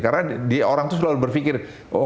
karena dia orang itu selalu berpikir